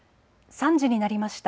３時になりました。